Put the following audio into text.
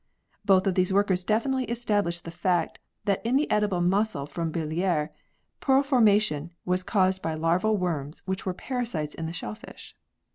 Both these workers definitely established the fact that in the edible mussel from Billiers, pearl formation was caused by larval worms which were parasites in the shellfish.